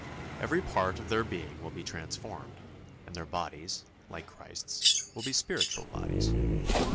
Every part of their being will be transformed, and their bodies, like Christ's, will be spiritual bodies.